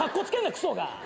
「クソが！」